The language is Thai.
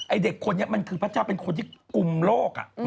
เด็กคนนี้มันคือพระเจ้าเป็นคนที่กลุ่มโลก